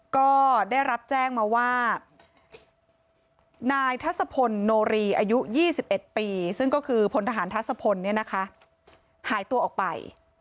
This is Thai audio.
ก็ได้รับแจ้งมาว่านายทัศพลโนรีอายุ๒๑ปีซึ่งก็คือพลทหารทัศพลหายตัวออกไป